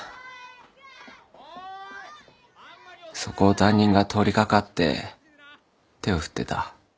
そこを担任が通り掛かって手を振ってた。